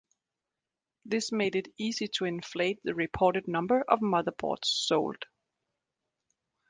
This made it easy to inflate the reported number of motherboards sold.